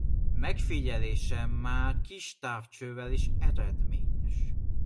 Megfigyelése már kis távcsővel is eredményes.